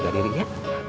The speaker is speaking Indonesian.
kan jaga dirinya